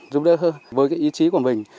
giúp đỡ với ý chí của mình